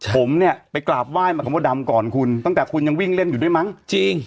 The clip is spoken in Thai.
ผมเนี่ยไปกราบไห้มากับมดดำก่อนคุณตั้งแต่คุณยังวิ่งเล่นอยู่ด้วยมั้งจริง